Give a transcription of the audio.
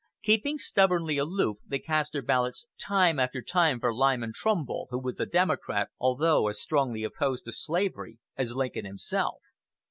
Keeping stubbornly aloof, they cast their ballots time after time for Lyman Trumbull, who was a Democrat, although as strongly opposed to slavery as Lincoln himself.